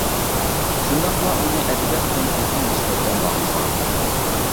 شۇنداقلا، ئۇنى ئەدەبىيات بىلەن تېخىمۇ مۇستەھكەم باغلىغان.